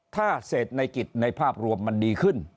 ถ้าเศรษฐกิจในภาพรวมมันดีขึ้น